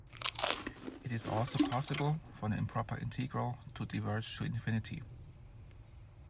It is also possible for an improper integral to diverge to infinity.